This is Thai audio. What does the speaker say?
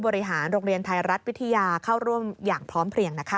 บริหารโรงเรียนไทยรัฐวิทยาเข้าร่วมอย่างพร้อมเพลียงนะคะ